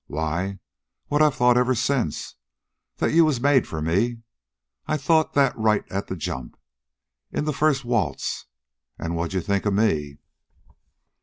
"Why, what I've thought ever since that you was made for me. I thought that right at the jump, in the first waltz. An' what'd you think of me?